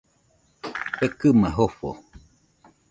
Fekɨma jofo.